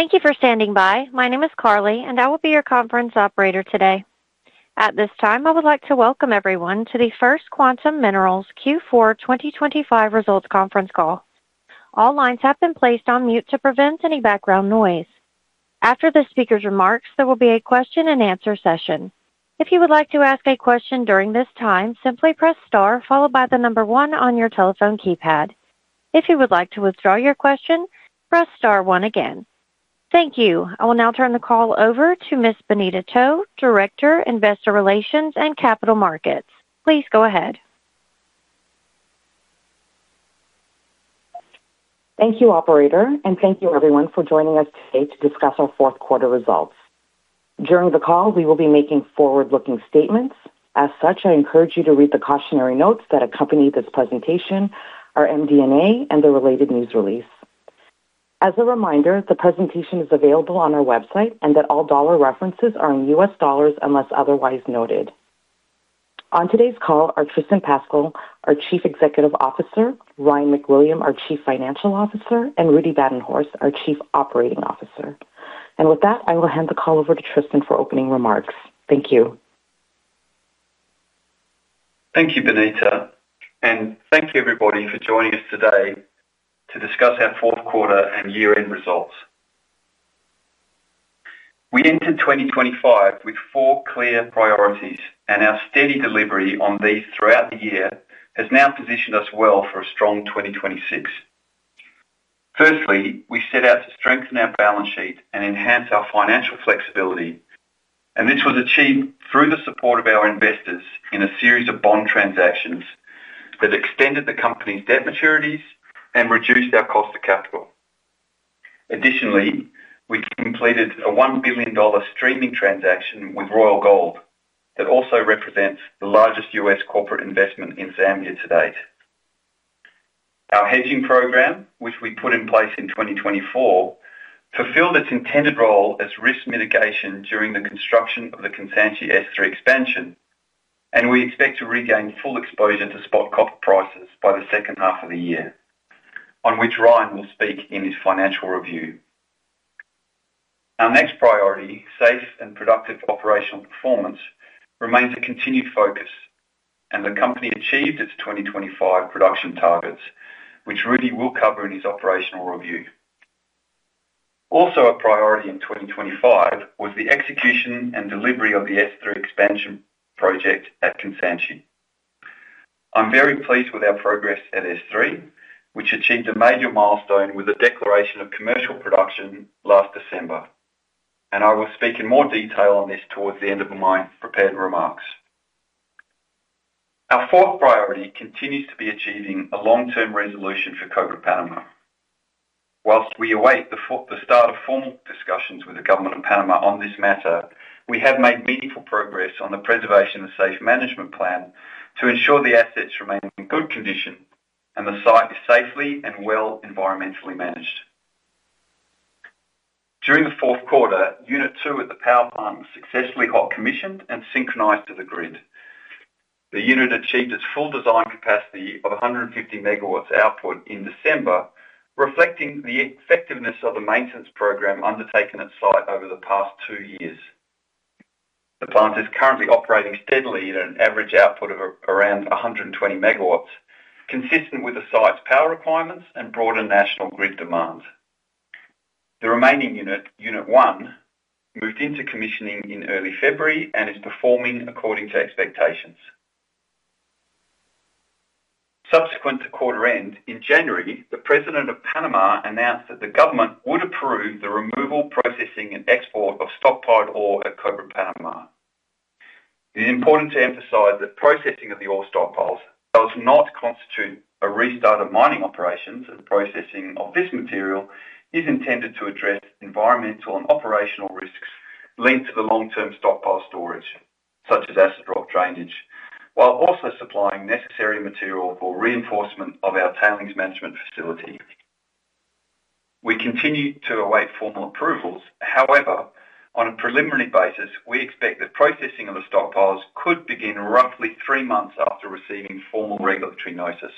Thank you for standing by. My name is Carly, and I will be your conference operator today. At this time, I would like to welcome everyone to the First Quantum Minerals Q4 2025 results conference call. All lines have been placed on mute to prevent any background noise. After the speaker's remarks, there will be a question-and-answer session. If you would like to ask a question during this time, simply press star followed by the number 1 on your telephone keypad. If you would like to withdraw your question, press star 1 again. Thank you. I will now turn the call over to Miss Bonita To, Director, Investor Relations and Capital Markets. Please go ahead. Thank you, operator, and thank you everyone for joining us today to discuss our 4th quarter results. During the call, we will be making forward-looking statements. As such, I encourage you to read the cautionary notes that accompany this presentation, our MD&A, and the related news release. As a reminder, the presentation is available on our website and that all dollar references are in US dollars unless otherwise noted. On today's call are Tristan Pascall, our Chief Executive Officer, Ryan MacWilliam, our Chief Financial Officer, and Rudi Badenhorst, our Chief Operating Officer. And with that, I will hand the call over to Tristan for opening remarks. Thank you. Thank you, Bonita, and thank you everybody for joining us today to discuss our 4th quarter and year-end results. We entered 2025 with four clear priorities, and our steady delivery on these throughout the year has now positioned us well for a strong 2026. Firstly, we set out to strengthen our balance sheet and enhance our financial flexibility, and this was achieved through the support of our investors in a series of bond transactions that extended the company's debt maturities and reduced our cost of capital. Additionally, we completed a $1 billion streaming transaction with Royal Gold. That also represents the largest US corporate investment in Zambia to date. Our hedging program, which we put in place in 2024, fulfilled its intended role as risk mitigation during the construction of the Kansanshi S3 expansion, and we expect to regain full exposure to spot copper prices by the second half of the year, on which Ryan will speak in his financial review. Our next priority, safe and productive operational performance, remains a continued focus, and the company achieved its 2025 production targets, which Rudi will cover in his operational review. Also a priority in 2025 was the execution and delivery of the S3 expansion project at Kansanshi. I'm very pleased with our progress at S3, which achieved a major milestone with the declaration of commercial production last December, and I will speak in more detail on this towards the end of my prepared remarks. Our fourth priority continues to be achieving a long-term resolution for Cobre Panamá. While we await the start of formal discussions with the government of Panama on this matter, we have made meaningful progress on the preservation and safe management plan to ensure the assets remain in good condition and the site is safely and well environmentally managed. During the fourth quarter, Unit 2 at the power plant was successfully hot commissioned and synchronized to the grid. The unit achieved its full design capacity of 150 megawatts output in December, reflecting the effectiveness of the maintenance program undertaken at site over the past 2 years. The plant is currently operating steadily at an average output of around 120 megawatts, consistent with the site's power requirements and broader national grid demands. The remaining unit, Unit 1, moved into commissioning in early February and is performing according to expectations. Subsequent to quarter end, in January, the president of Panama announced that the government would approve the removal, processing, and export of stockpiled ore at Cobre Panamá. It is important to emphasize that processing of the ore stockpiles does not constitute a restart of mining operations, as processing of this material is intended to address environmental and operational risks linked to the long-term stockpile storage, such as Acid Rock Drainage, while also supplying necessary material for reinforcement of our Tailings Management Facility. We continue to await formal approvals. However, on a preliminary basis, we expect the processing of the stockpiles could begin roughly three months after receiving formal regulatory notice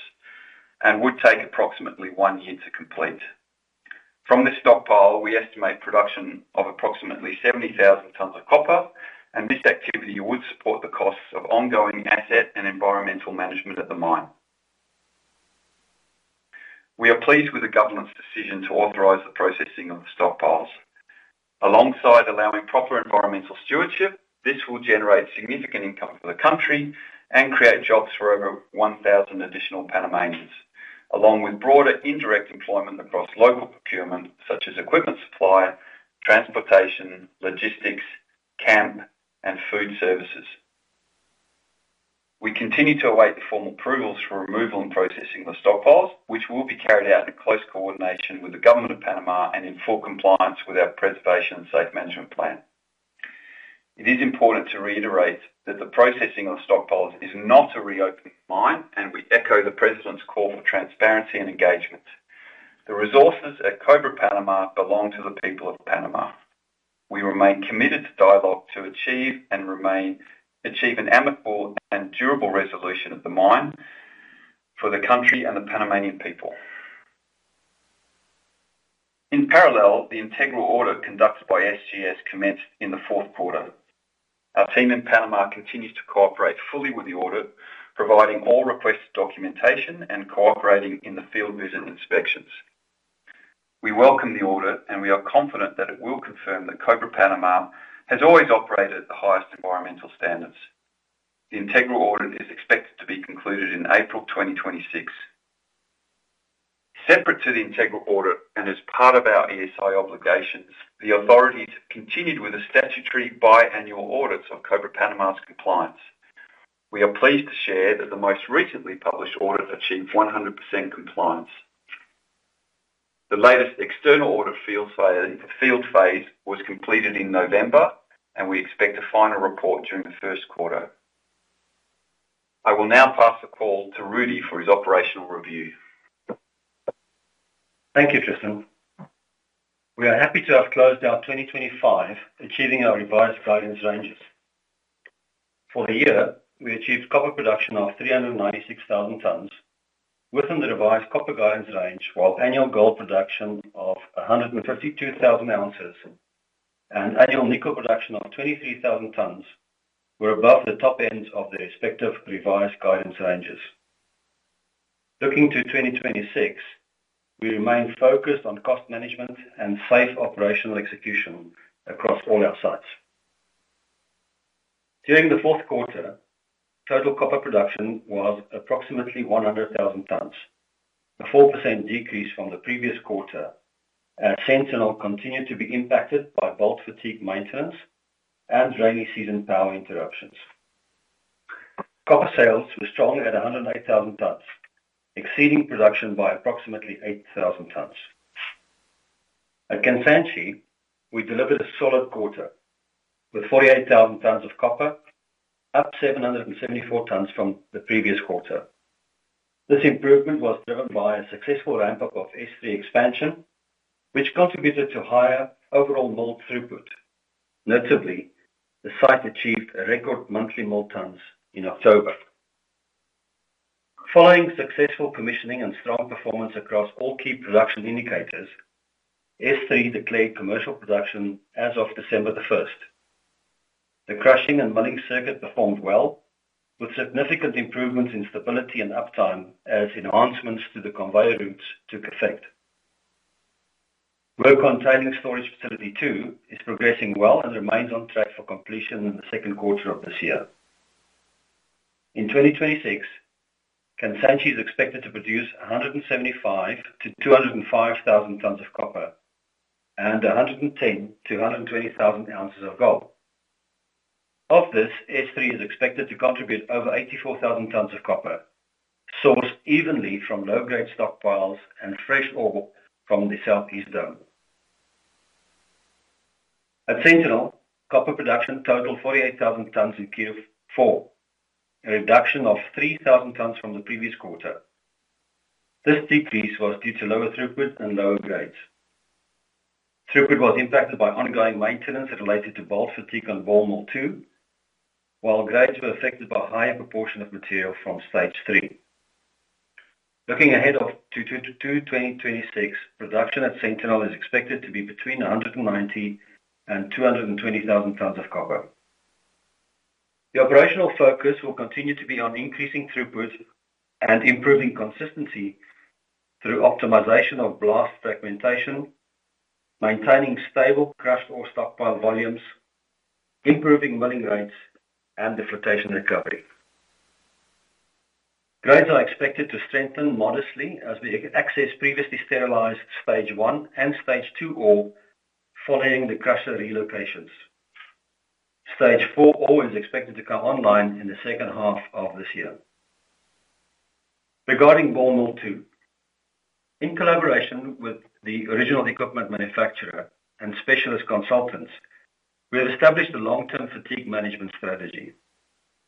and would take approximately one year to complete. From this stockpile, we estimate production of approximately 70,000 tons of copper, and this activity would support the costs of ongoing asset and environmental management at the mine. We are pleased with the government's decision to authorize the processing of the stockpiles. Alongside allowing proper environmental stewardship, this will generate significant income for the country and create jobs for over 1,000 additional Panamanians, along with broader indirect employment across local procurement, such as equipment, supply, transportation, logistics, camp, and food services. We continue to await the formal approvals for removal and processing of the stockpiles, which will be carried out in close coordination with the government of Panama and in full compliance with our preservation and safe management plan. It is important to reiterate that the processing of stockpiles is not a reopening mine, and we echo the president's call for transparency and engagement. The resources at Cobre Panamá belong to the people of Panama. We remain committed to dialogue to achieve an amicable and durable resolution of the mine. for the country and the Panamanian people. In parallel, the Integral Audit conducted by SGS commenced in the fourth quarter. Our team in Panama continues to cooperate fully with the audit, providing all requested documentation and cooperating in the field visit inspections. We welcome the audit, and we are confident that it will confirm that Cobre Panamá has always operated at the highest environmental standards. The Integral Audit is expected to be concluded in April 2026. Separate to the Integral Audit, and as part of our ESIA obligations, the authorities continued with the statutory biannual audits of Cobre Panamá's compliance. We are pleased to share that the most recently published audit achieved 100% compliance. The latest external audit field phase was completed in November, and we expect a final report during the 1st quarter. I will now pass the call to Rudi for his operational review. Thank you, Tristan. We are happy to have closed our 2025, achieving our revised guidance ranges. For the year, we achieved copper production of 396,000 tons, within the revised copper guidance range, while annual gold production of 152,000 ounces and annual nickel production of 23,000 tons were above the top ends of the respective revised guidance ranges. Looking to 2026, we remain focused on cost management and safe operational execution across all our sites. During the fourth quarter, total copper production was approximately 100,000 tons, a 4% decrease from the previous quarter, as Sentinel continued to be impacted by bolt fatigue, maintenance, and rainy season power interruptions. Copper sales were strong at 108,000 tons, exceeding production by approximately 8,000 tons. At Kansanshi, we delivered a solid quarter with 48,000 tons of copper, up 774 tons from the previous quarter. This improvement was driven by a successful ramp-up of S3 Expansion, which contributed to higher overall mill throughput. Notably, the site achieved a record monthly mill tons in October. Following successful commissioning and strong performance across all key production indicators, S3 declared commercial production as of December 1. The crushing and milling circuit performed well, with significant improvements in stability and uptime as enhancements to the conveyor routes took effect. Work on tailings storage facility 2 is progressing well and remains on track for completion in the second quarter of this year. In 2026, Kansanshi is expected to produce 175,000-205,000 tons of copper and 110,000-220,000 ounces of gold. Of this, S3 is expected to contribute over 84,000 tons of copper, sourced evenly from low-grade stockpiles and fresh ore from the Southeast Dome. At Sentinel, copper production totaled 48,000 tons in Q4, a reduction of 3,000 tons from the previous quarter. This decrease was due to lower throughput and lower grades. Throughput was impacted by ongoing maintenance related to bolt fatigue on Ball Mill 2, while grades were affected by a higher proportion of material from stage 3. Looking ahead to 2026, production at Sentinel is expected to be between 190,000 and 220,000 tons of copper. The operational focus will continue to be on increasing throughput and improving consistency through optimization of blast fragmentation, maintaining stable crushed ore stockpile volumes, improving milling rates, and the flotation recovery. Grades are expected to strengthen modestly as we access previously sterilized stage 1 and stage 2 ore, following the crusher relocations. Stage 4 ore is expected to come online in the second half of this year. Regarding Ball Mill 2, in collaboration with the original equipment manufacturer and specialist consultants, we have established a long-term fatigue management strategy.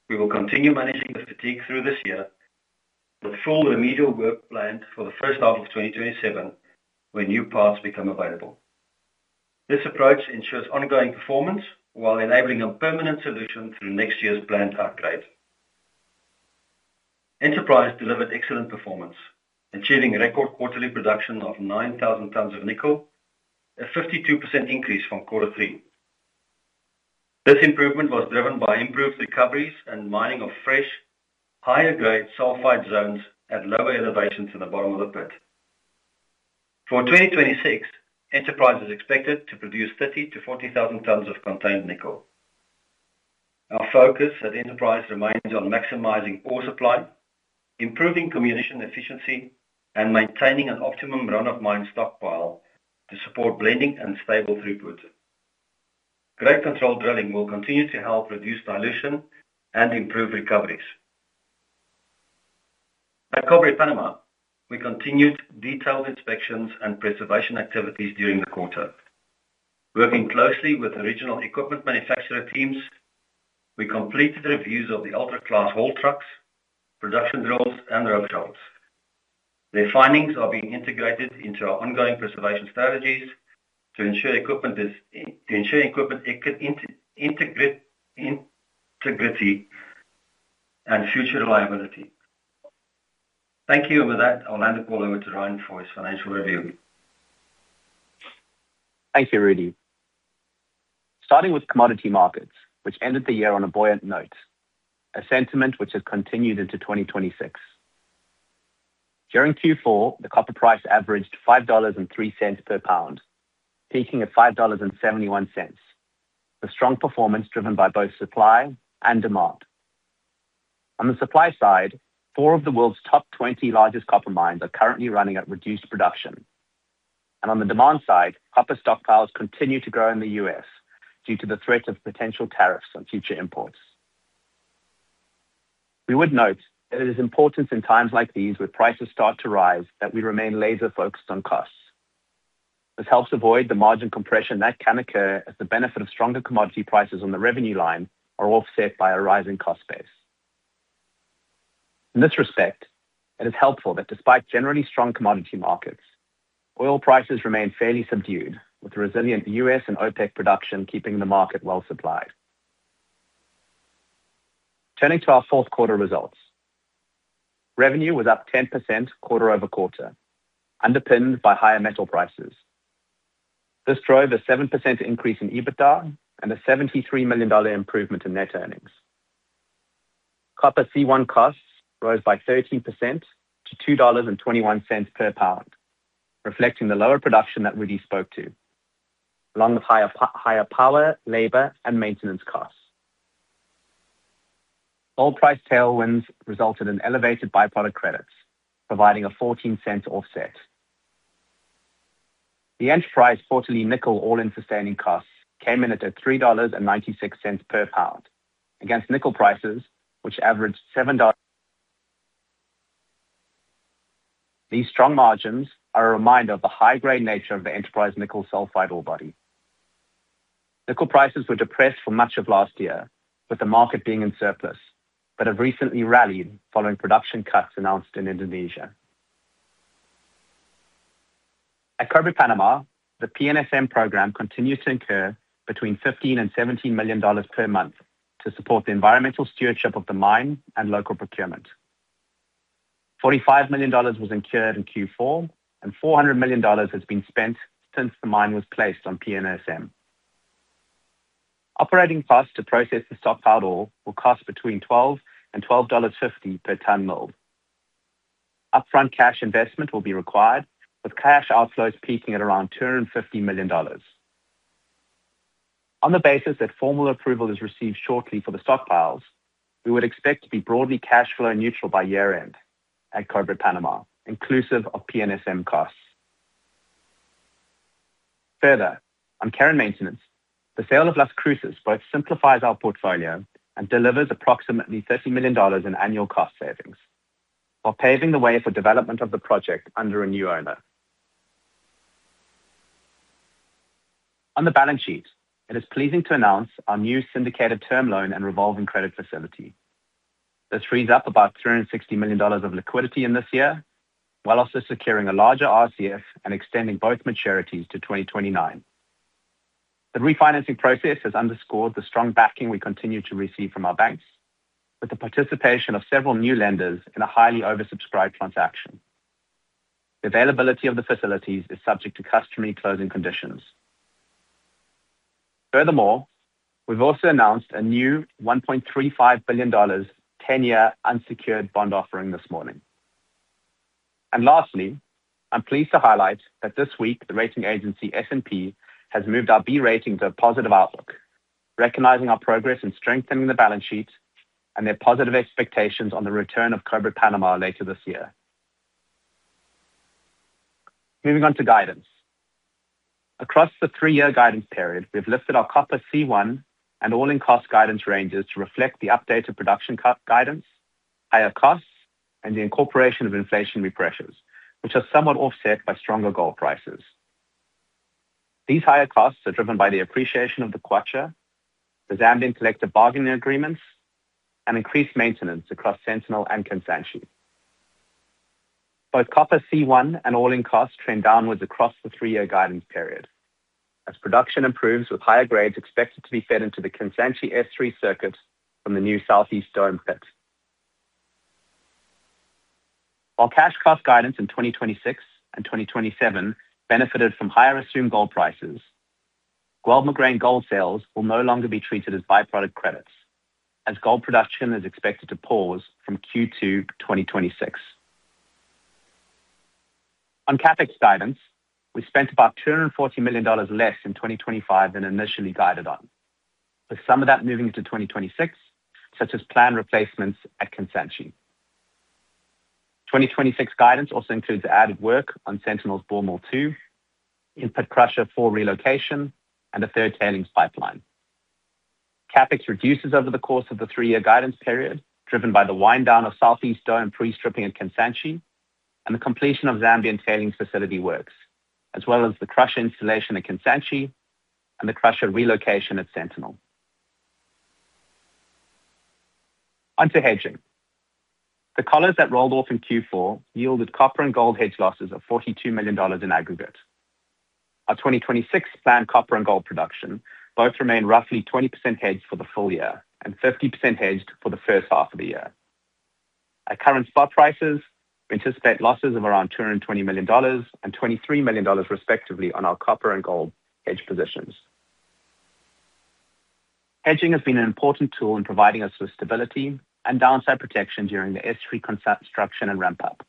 We will continue managing the fatigue through this year, with full remedial work planned for the first half of 2027, when new parts become available. This approach ensures ongoing performance while enabling a permanent solution through next year's planned upgrade. Enterprise delivered excellent performance, achieving record quarterly production of 9,000 tons of nickel, a 52% increase from quarter three. This improvement was driven by improved recoveries and mining of fresh, higher-grade sulfide zones at lower elevations in the bottom of the pit. For 2026, Enterprise is expected to produce 30,000-40,000 tons of contained nickel. Our focus at Enterprise remains on maximizing ore supply, improving comminution efficiency, and maintaining an optimum run-of-mine stockpile to support blending and stable throughput. Grade control drilling will continue to help reduce dilution and improve recoveries. At Cobre Panamá, we continued detailed inspections and preservation activities during the quarter. Working closely with original equipment manufacturer teams, we completed reviews of the ultra-class haul trucks, production drills, and rope shovels. Their findings are being integrated into our ongoing preservation strategies to ensure equipment integrity and future reliability. Thank you. With that, I'll hand the call over to Ryan for his financial review. Thank you, Rudi. Starting with commodity markets, which ended the year on a buoyant note, a sentiment which has continued into 2026. During Q4, the copper price averaged $5.03 per pound, peaking at $5.71. A strong performance driven by both supply and demand. On the supply side, four of the world's top 20 largest copper mines are currently running at reduced production. On the demand side, copper stockpiles continue to grow in the due to the threat of potential tariffs on future imports. We would note that it is important in times like these, where prices start to rise, that we remain laser-focused on costs. This helps avoid the margin compression that can occur as the benefit of stronger commodity prices on the revenue line are offset by a rising cost base. In this respect, it is helpful that despite generally strong commodity markets, oil prices remain fairly subdued, with resilient and OPEC production keeping the market well supplied. Turning to our fourth quarter results. Revenue was up 10% quarter-over-quarter, underpinned by higher metal prices. This drove a 7% increase in EBITDA and a $73 million improvement in net earnings. Copper C1 costs rose by 13% to $2.21 per pound, reflecting the lower production that Rudi spoke to, along with higher power, labor, and maintenance costs. Gold price tailwinds resulted in elevated by-product credits, providing a 14-cent offset. The Enterprise quarterly nickel all-in sustaining costs came in at $3.96 per pound, against nickel prices, which averaged $7. These strong margins are a reminder of the high-grade nature of the Enterprise nickel sulfide ore body. Nickel prices were depressed for much of last year, with the market being in surplus, but have recently rallied following production cuts announced in Indonesia. At Cobre Panamá, the PNSM program continues to incur between $15 million and $17 million per month to support the environmental stewardship of the mine and local procurement. $45 million was incurred in Q4, and $400 million has been spent since the mine was placed on PNSM. Operating costs to process the stockpiled ore will cost between $12 and $12.50 per tonne milled. Upfront cash investment will be required, with cash outflows peaking at around $250 million. On the basis that formal approval is received shortly for the stockpiles, we would expect to be broadly cash flow neutral by year-end at Cobre Panamá, inclusive of PNSM costs. Further, on care and maintenance, the sale of Las Cruces both simplifies our portfolio and delivers approximately $30 million in annual cost savings while paving the way for development of the project under a new owner. On the balance sheet, it is pleasing to announce our new syndicated term loan and revolving credit facility. This frees up about $360 million of liquidity in this year, while also securing a larger RCF and extending both maturities to 2029. The refinancing process has underscored the strong backing we continue to receive from our banks, with the participation of several new lenders in a highly oversubscribed transaction. The availability of the facilities is subject to customary closing conditions. Furthermore, we've also announced a new $1.35 billion ten-year unsecured bond offering this morning. Lastly, I'm pleased to highlight that this week the rating agency S&P has moved our B rating to a positive outlook, recognizing our progress in strengthening the balance sheet and their positive expectations on the return of Cobre Panamá later this year. Moving on to guidance. Across the three-year guidance period, we've lifted our copper C1 and all-in cost guidance ranges to reflect the updated production cut guidance, higher costs, and the incorporation of inflationary pressures, which are somewhat offset by stronger gold prices. These higher costs are driven by the appreciation of the Kwacha, the Zambian collective bargaining agreements, and increased maintenance across Sentinel and Kansanshi. Both copper C1 and all-in costs trend downwards across the three-year guidance period as production improves, with higher grades expected to be fed into the Kansanshi S3 circuit from the new Southeast Dome pit. While cash cost guidance in 2026 and 2027 benefited from higher assumed gold prices, Guelb Moghrein gold sales will no longer be treated as byproduct credits, as gold production is expected to pause from Q2 2026. On CapEx guidance, we spent about $240 million less in 2025 than initially guided on, with some of that moving into 2026, such as planned replacements at Kansanshi. 2026 guidance also includes added work on Sentinel's Boremore two input crusher for relocation, and a third tailings pipeline. CapEx reduces over the course of the 3-year guidance period, driven by the wind down of Southeast Dome pre-stripping at Kansanshi and the completion of Zambian tailings facility works, as well as the crusher installation at Kansanshi and the crusher relocation at Sentinel. On to hedging. The collars that rolled off in Q4 yielded copper and gold hedge losses of $42 million in aggregate. Our 2026 planned copper and gold production both remain roughly 20% hedged for the full year and 50% hedged for the first half of the year. At current spot prices, we anticipate losses of around $220 million and $23 million, respectively, on our copper and gold hedge positions. Hedging has been an important tool in providing us with stability and downside protection during the S3 construction and ramp-up.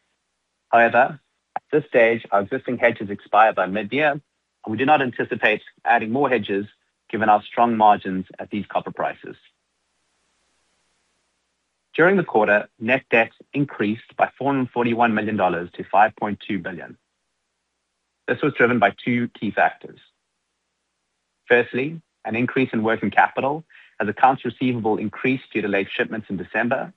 However, at this stage, our existing hedges expire by mid-year, and we do not anticipate adding more hedges given our strong margins at these copper prices. During the quarter, net debt increased by $441 million to $5.2 billion. This was driven by two key factors. Firstly, an increase in working capital as accounts receivable increased due to late shipments in December.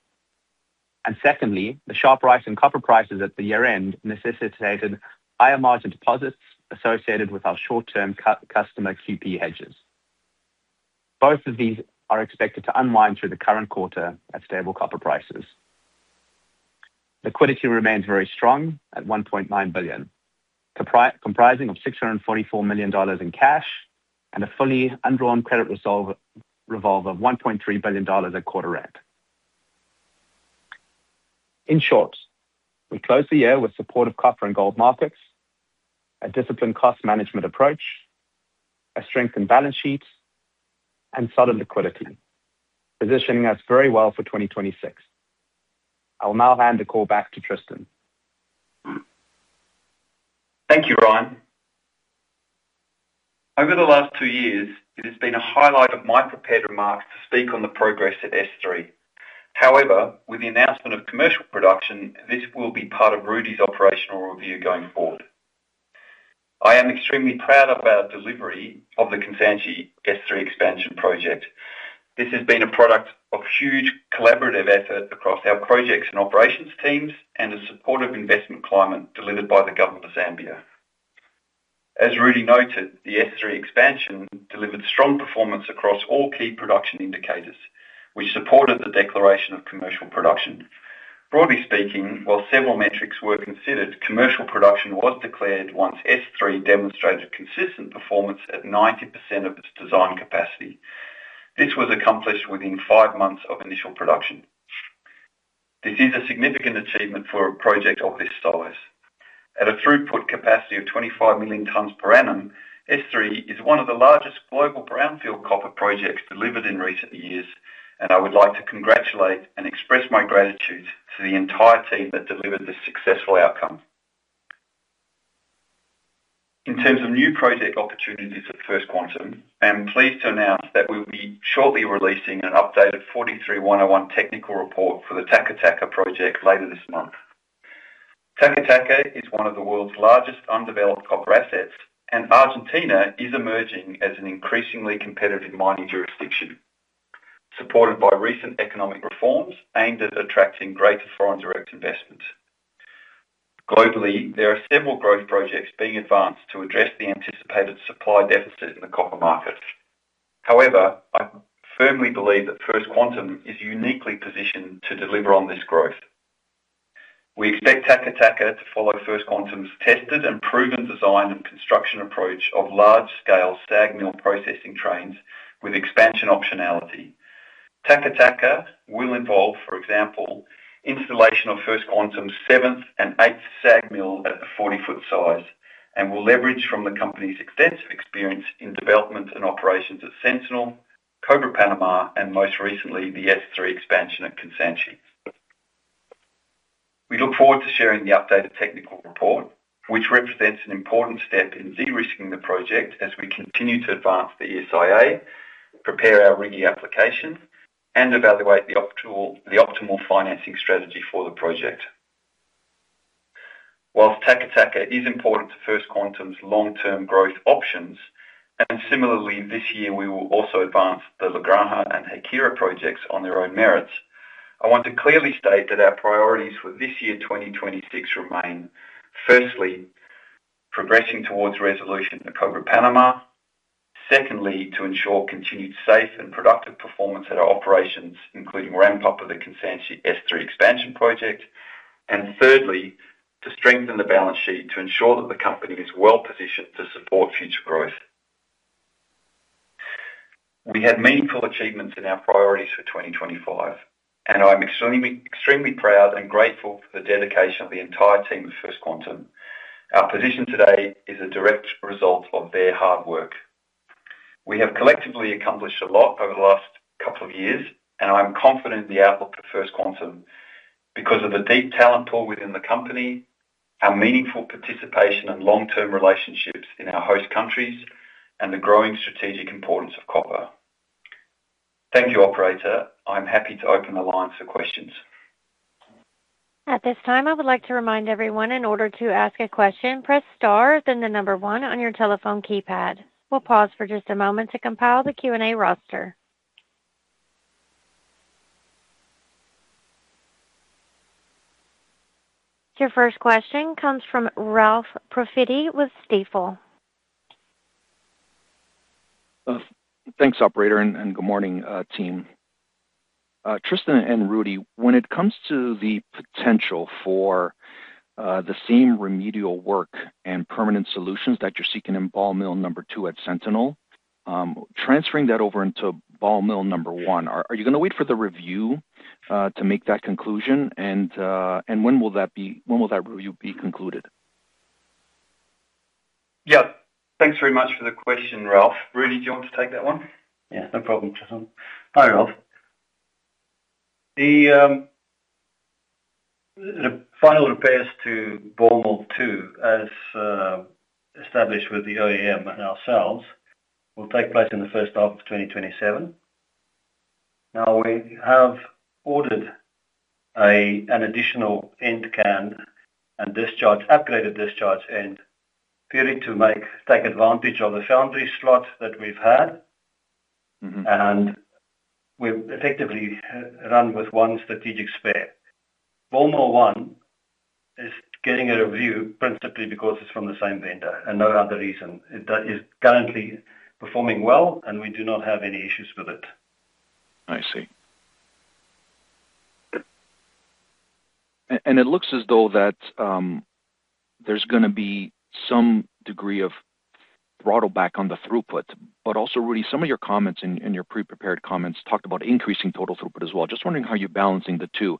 And secondly, the sharp rise in copper prices at the year-end necessitated higher margin deposits associated with our short-term customer QP hedges. Both of these are expected to unwind through the current quarter at stable copper prices. Liquidity remains very strong at $1.9 billion, comprising of $644 million in cash and a fully undrawn revolving credit of $1.3 billion at quarter end. In short, we closed the year with supportive copper and gold markets, a disciplined cost management approach, a strengthened balance sheet, and solid liquidity, positioning us very well for 2026. I will now hand the call back to Tristan. Thank you, Ryan. Over the last two years, it has been a highlight of my prepared remarks to speak on the progress at S3. However, with the announcement of commercial production, this will be part of Rudi's operational review going forward. I am extremely proud of our delivery of the Kansanshi S3 expansion project. This has been a product of huge collaborative effort across our projects and operations teams and a supportive investment climate delivered by the government of Zambia. As Rudi noted, the S3 expansion delivered strong performance across all key production indicators, which supported the declaration of commercial production. Broadly speaking, while several metrics were considered, commercial production was declared once S3 demonstrated consistent performance at 90% of its design capacity. This was accomplished within five months of initial production. This is a significant achievement for a project of this size. At a throughput capacity of 25 million tons per annum, S3 is one of the largest global brownfield copper projects delivered in recent years, and I would like to congratulate and express my gratitude to the entire team that delivered this successful outcome. In terms of new project opportunities at First Quantum, I am pleased to announce that we'll be shortly releasing an updated NI 43-101 technical report for the Taca Taca project later this month. Taca Taca is one of the world's largest undeveloped copper assets, and Argentina is emerging as an increasingly competitive mining jurisdiction, supported by recent economic reforms aimed at attracting greater foreign direct investment. Globally, there are several growth projects being advanced to address the anticipated supply deficit in the copper market. However, I firmly believe that First Quantum is uniquely positioned to deliver on this growth. We expect Taca Taca to follow First Quantum's tested and proven design and construction approach of large-scale SAG mill processing trains with expansion optionality. Taca Taca will involve, for example, installation of First Quantum's seventh and eighth SAG mill at the 40-foot size and will leverage from the company's extensive experience in development and operations at Sentinel, Cobre Panamá, and most recently, the S3 expansion at Kansanshi. We look forward to sharing the updated technical report, which represents an important step in de-risking the project as we continue to advance the ESIA, prepare our RIGI application, and evaluate the optimal, the optimal financing strategy for the project. While Taca Taca is important to First Quantum's long-term growth options, and similarly, this year, we will also advance the La Granja and Haquira projects on their own merits. I want to clearly state that our priorities for this year, 2026, remain: firstly, progressing towards resolution in Cobre Panamá. Secondly, to ensure continued safe and productive performance at our operations, including ramp-up of the Kansanshi S3 expansion project. And thirdly, to strengthen the balance sheet to ensure that the company is well-positioned to support future growth. We had meaningful achievements in our priorities for 2025, and I'm extremely, extremely proud and grateful for the dedication of the entire team of First Quantum. Our position today is a direct result of their hard work. We have collectively accomplished a lot over the last couple of years, and I'm confident in the outlook for First Quantum because of the deep talent pool within the company, our meaningful participation and long-term relationships in our host countries, and the growing strategic importance of copper. Thank you, operator. I'm happy to open the line for questions. At this time, I would like to remind everyone in order to ask a question, press star, then the number one on your telephone keypad. We'll pause for just a moment to compile the Q&A roster. Your first question comes from Ralph Profiti with Stifel. Thanks, operator, and good morning, team. Tristan and Rudi, when it comes to the potential for the same remedial work and permanent solutions that you're seeking in Ball Mill number 2 at Sentinel, transferring that over into Ball Mill number 1, are you gonna wait for the review to make that conclusion? When will that be? When will that review be concluded? Yeah. Thanks very much for the question, Ralph. Rudi, do you want to take that one? Yeah, no problem, Tristan. Hi, Ralph. The final repairs to Ball Mill 2, as established with the OEM and ourselves, will take place in the first half of 2027. Now, we have ordered an additional end can and discharge, upgraded discharge end, period, to take advantage of the foundry slot that we've had. We've effectively run with one strategic spare. Ball Mill 1 is getting a review principally because it's from the same vendor and no other reason. It is currently performing well, and we do not have any issues with it. I see. And it looks as though that, there's gonna be some degree of throttle back on the throughput. But also, Rudi, some of your comments in your pre-prepared comments talked about increasing total throughput as well. Just wondering how you're balancing the 2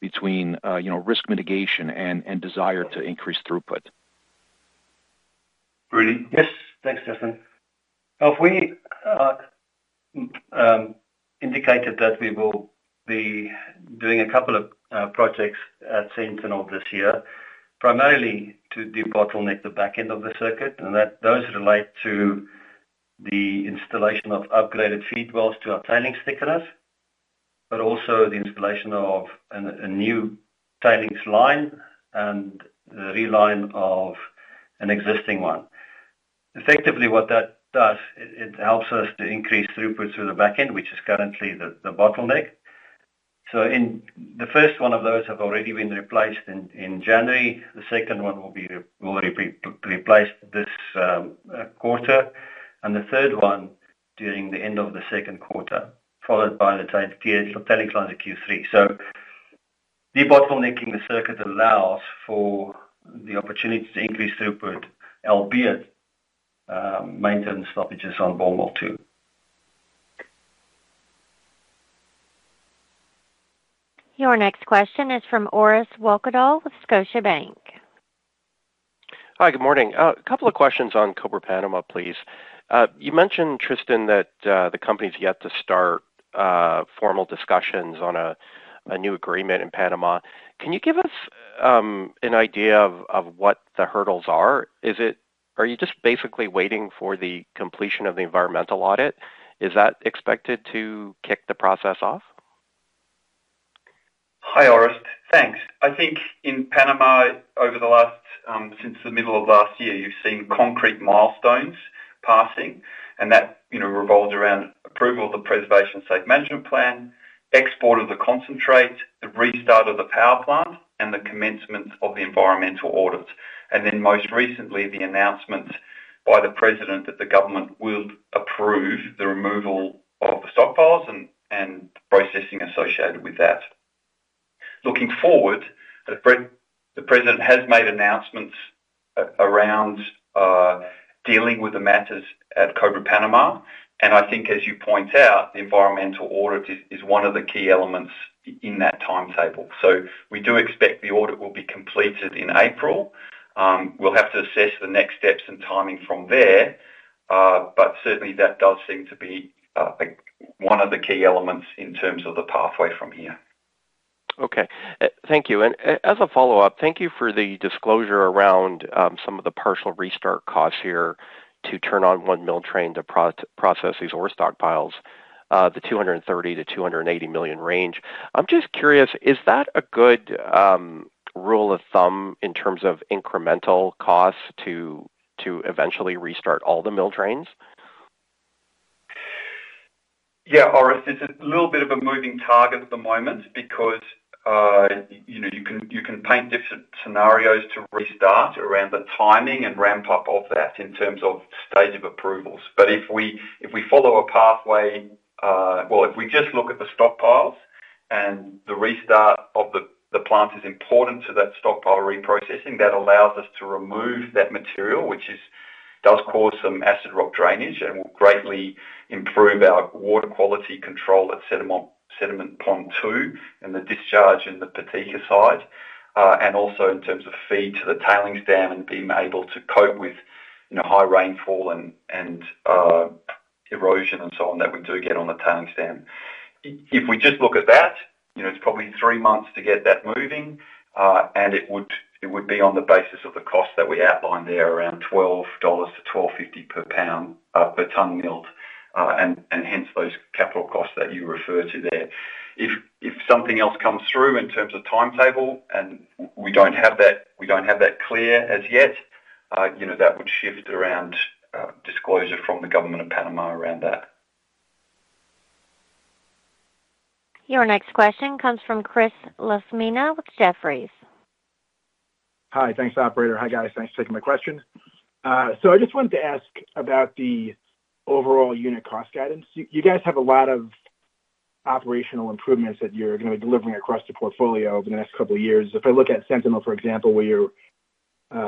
between, risk mitigation and desire to increase throughput. Rudi? Yes. Thanks, Tristan. If we indicated that we will be doing a couple of projects at Sentinel this year, primarily to debottleneck the back end of the circuit, and that those relate to the installation of upgraded feed wells to our tailings thickeners, but also the installation of a new tailings line and the reline of an existing one. Effectively, what that does, it helps us to increase throughput through the back end, which is currently the bottleneck. So the first one of those have already been replaced in January. The second one will be replaced this quarter, and the third one during the end of the second quarter, followed by the tails gear, so tailings line in Q3. So debottlenecking the circuit allows for the opportunity to increase throughput, albeit, maintenance stoppages on Ball Mill 2. Your next question is from Orest Wowkodaw with Scotiabank. Hi, good morning. A couple of questions on Cobre Panamá, please. You mentioned, Tristan, that the company's yet to start formal discussions on a new agreement in Panama. Can you give us an idea of what the hurdles are? Are you just basically waiting for the completion of the environmental audit? Is that expected to kick the process off? Hi, Orest. Thanks. I think in Panama, over the last since the middle of last year, you've seen concrete milestones passing, and that, revolves around approval of the preservation and safe management plan, export of the concentrate, the restart of the power plant, and the commencement of the environmental audits, and then most recently, the announcement by the president that the government will approve the removal of the stockpiles and processing associated with that. Looking forward, the president has made announcements around dealing with the matters at Cobre Panamá, and I think as you point out, the environmental audit is one of the key elements in that timetable. So we do expect the audit will be completed in April. We'll have to assess the next steps and timing from there, but certainly, that does seem to be one of the key elements in terms of the pathway from here. Okay. Thank you. And as a follow-up, thank you for the disclosure around some of the partial restart costs here to turn on one mill train to process these ore stockpiles, the $230 million-$280 million range. I'm just curious, is that a good rule of thumb in terms of incremental costs to eventually restart all the mill trains? Yeah, Orest, it's a little bit of a moving target at the moment because, you can, you can paint different scenarios to restart around the timing and ramp up of that in terms of stage of approvals. But if we, if we follow a pathway, well, if we just look at the stockpiles and the restart of the, the plant is important to that stockpile reprocessing, that allows us to remove that material, which is, does cause some Acid Rock Drainage and will greatly improve our water quality control at Sediment Pond Two, and the discharge in the Patika side, and also in terms of feed to the tailings dam and being able to cope with, high rainfall and, and, erosion and so on, that we do get on the tailings dam. If we just look at that, it's probably three months to get that moving, and it would be on the basis of the cost that we outlined there, around $12-$12.50 per pound per ton milled, and hence those capital costs that you referred to there. If something else comes through in terms of timetable, and we don't have that, we don't have that clear as yet, that would shift around, disclosure from the government of Panama around that. Your next question comes from Chris LaFemina with Jefferies. Hi. Thanks, operator. Hi, guys. Thanks for taking my question. So I just wanted to ask about the overall unit cost guidance. You guys have a lot of operational improvements that you're gonna be delivering across the portfolio over the next couple of years. If I look at Sentinel, for example, where you're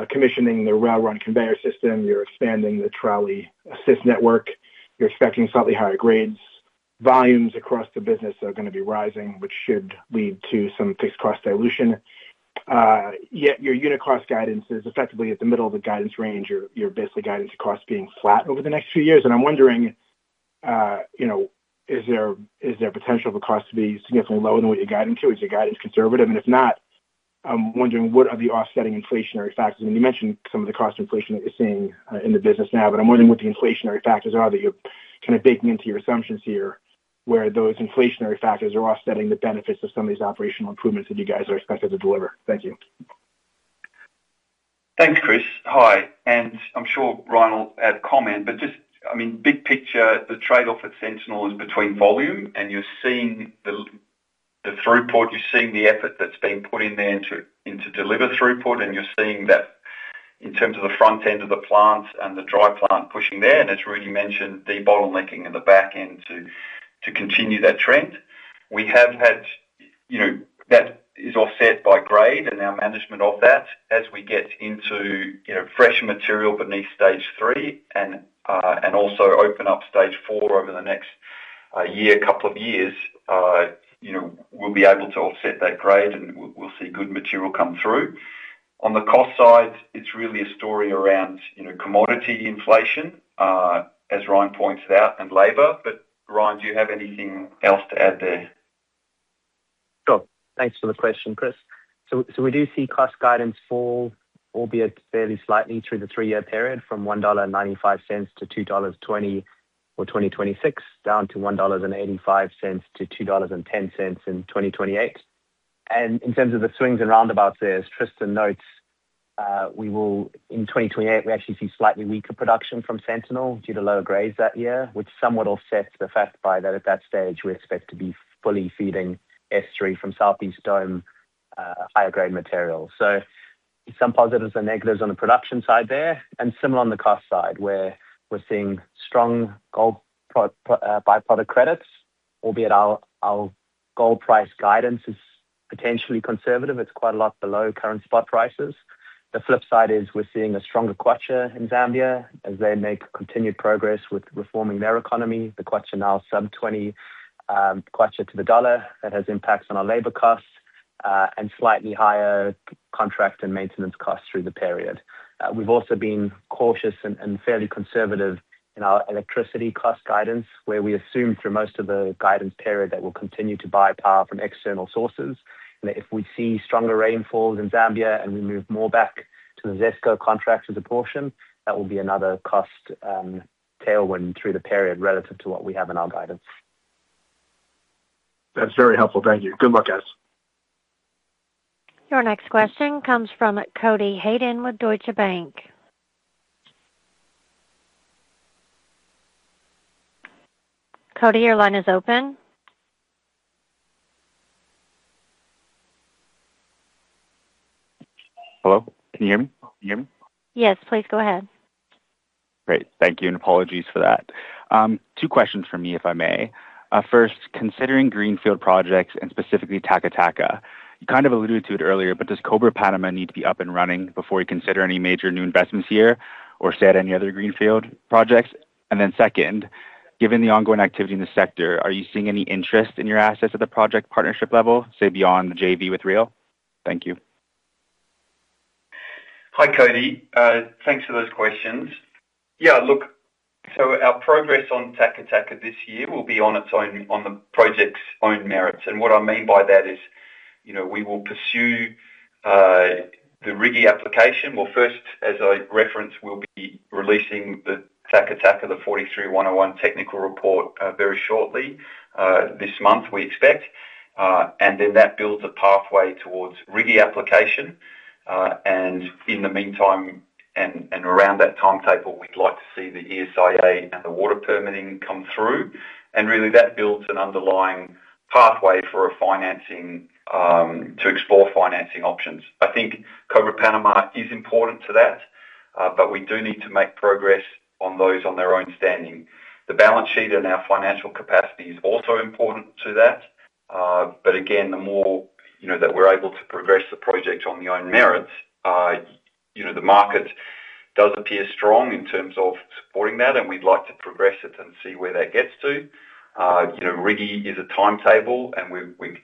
commissioning the rail run conveyor system, you're expanding the trolley assist network, you're expecting slightly higher grades. Volumes across the business are gonna be rising, which should lead to some fixed cost dilution. Yet your unit cost guidance is effectively at the middle of the guidance range. Your basically guidance cost being flat over the next few years. And I'm wondering, is there, is there potential for cost to be significantly lower than what you're guiding to? Is your guidance conservative? And if not, I'm wondering, what are the offsetting inflationary factors? And you mentioned some of the cost inflation that you're seeing, in the business now, but I'm wondering what the inflationary factors are that you're kinda baking into your assumptions here, where those inflationary factors are offsetting the benefits of some of these operational improvements that you guys are expected to deliver. Thank you. Thanks, Chris. Hi, and I'm sure Ryan will add comment, but just, I mean, big picture, the trade-off at Sentinel is between volume, and you're seeing the throughput, you're seeing the effort that's been put in there to deliver throughput, and you're seeing that in terms of the front end of the plant and the dry plant pushing there, and as Rudi mentioned, debottlenecking in the back end to continue that trend. We have had, that is offset by grade and our management of that as we get into, fresh material beneath stage three and also open up stage four over the next year, couple of years, we'll be able to offset that grade, and we'll see good material come through. On the cost side, it's really a story around, commodity inflation, as Ryan pointed out, and labor. But Ryan, do you have anything else to add there? Sure. Thanks for the question, Chris. So we do see cost guidance fall, albeit fairly slightly through the three-year period, from $1.95 to $2.20 for 2026, down to $1.85 to $2.10 in 2028. And in terms of the swings and roundabouts there, as Tristan notes, we will, in 2028, we actually see slightly weaker production from Sentinel due to lower grades that year, which somewhat offsets the fact by that at that stage, we expect to be fully feeding S3 from Southeast Dome, higher grade material. So some positives and negatives on the production side there, and similar on the cost side, where we're seeing strong gold byproduct credits, albeit our gold price guidance is potentially conservative. It's quite a lot below current spot prices. The flip side is we're seeing a stronger kwacha in Zambia as they make continued progress with reforming their economy. The kwacha now sub 20 ZMW to the $. That has impacts on our labor costs, and slightly higher contract and maintenance costs through the period. We've also been cautious and fairly conservative in our electricity cost guidance, where we assume through most of the guidance period that we'll continue to buy power from external sources. And if we see stronger rainfalls in Zambia and we move more back to the ZESCO contract as a portion, that will be another cost, tailwind through the period relative to what we have in our guidance. That's very helpful. Thank you. Good luck, guys. Your next question comes from Cody Hayden with Deutsche Bank. Cody, your line is open. Hello, can you hear me? Can you hear me? Yes, please go ahead. Great. Thank you, and apologies for that. Two questions from me, if I may. First, considering greenfield projects and specifically Taca Taca, you kind of alluded to it earlier, but does Cobre Panamá need to be up and running before you consider any major new investments here, or say, at any other greenfield projects? And then second, given the ongoing activity in the sector, are you seeing any interest in your assets at the project partnership level, say, beyond the JV with Rio? Thank you. Hi, Cody. Thanks for those questions. Yeah, look, so our progress on Taca Taca this year will be on its own, on the project's own merits. And what I mean by that is, we will pursue the RIGI application. Well, first, as I referenced, we'll be releasing the Taca Taca 43-101 technical report very shortly, this month we expect, and then that builds a pathway towards RIGI application. And in the meantime and around that timetable, we'd like to see the ESIA and the water permitting come through, and really, that builds an underlying pathway for a financing to explore financing options. I think Cobre Panamá is important to that, but we do need to make progress on those on their own standing. The balance sheet and our financial capacity is also important to that, but again, the more, that we're able to progress the project on their own merits, the market does appear strong in terms of supporting that, and we'd like to progress it and see where that gets to. RIGI is a timetable, and we,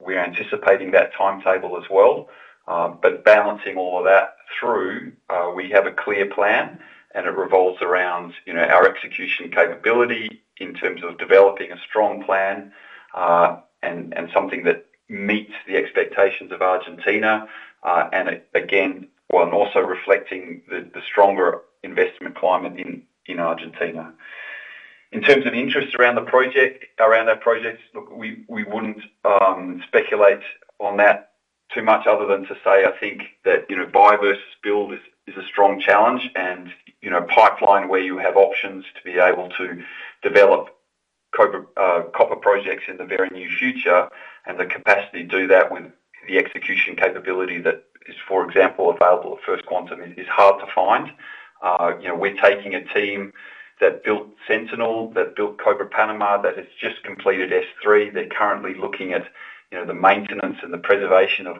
we're anticipating that timetable as well. But balancing all of that through, we have a clear plan, and it revolves around, our execution capability in terms of developing a strong plan, and something that meets the expectations of Argentina, and it, again, while also reflecting the, the stronger investment climate in, in Argentina. In terms of interest around the project, around our projects, look, we wouldn't speculate on that. Too much other than to say, I think that, buy versus build is a strong challenge. pipeline, where you have options to be able to develop Cobre copper projects in the very near future, and the capacity to do that with the execution capability that is, for example, available at First Quantum, is hard to find. we're taking a team that built Sentinel, that built Cobre Panamá, that has just completed S3. They're currently looking at, the maintenance and the preservation of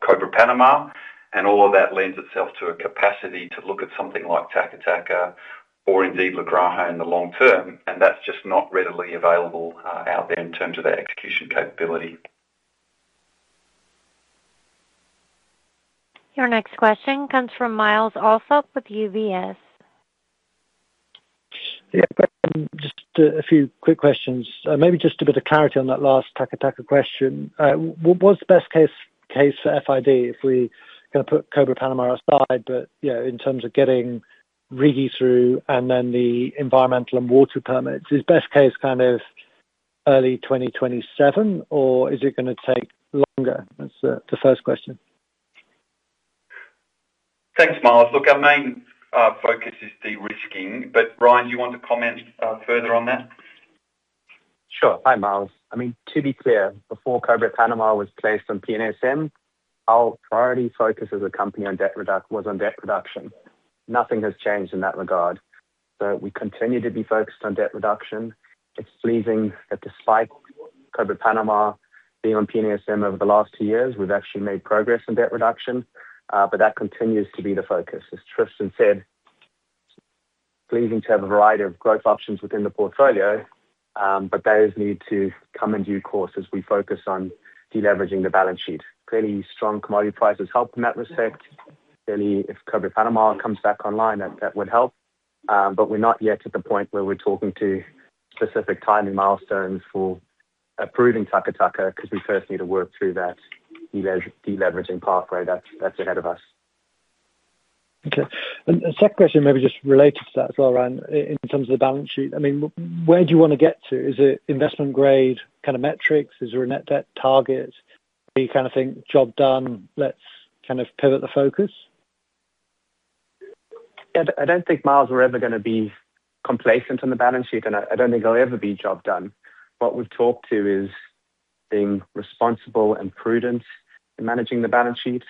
Cobre Panamá, and all of that lends itself to a capacity to look at something like Taca Taca or indeed La Granja in the long term, and that's just not readily available out there in terms of that execution capability. Your next question comes from Miles Allsop with UBS. Yeah, just a few quick questions. Maybe just a bit of clarity on that last Taca Taca question. What, what's the best case, case for FID, if we kind of put Cobre Panamá aside, but, in terms of getting RIGI through and then the environmental and water permits, is best case kind of early 2027, or is it gonna take longer? That's the first question. Thanks, Miles. Look, our main focus is de-risking, but Ryan, do you want to comment further on that? Sure. Hi, Miles. I mean, to be clear, before Cobre Panamá was placed on PNSM, our priority focus as a company was on debt reduction. Nothing has changed in that regard. So we continue to be focused on debt reduction. It's pleasing that despite Cobre Panamá being on PNSM over the last two years, we've actually made progress in debt reduction, but that continues to be the focus. As Tristan said, pleasing to have a variety of growth options within the portfolio, but those need to come in due course as we focus on deleveraging the balance sheet. Clearly, strong commodity prices help in that respect. Clearly, if Cobre Panamá comes back online, that would help. We're not yet at the point where we're talking to specific timing milestones for approving Taca Taca, because we first need to work through that deleveraging pathway that's ahead of us. Okay. And second question, maybe just related to that as well, Ryan, in terms of the balance sheet, I mean, where do you wanna get to? Is it investment grade kind of metrics? Is there a net debt target? Do you kind of think, job done, let's kind of pivot the focus? Yeah, I don't think, Miles, we're ever gonna be complacent on the balance sheet, and I don't think I'll ever be job done. What we've talked to is being responsible and prudent in managing the balance sheet.